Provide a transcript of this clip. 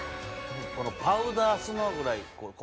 このパウダースノーぐらい細かい。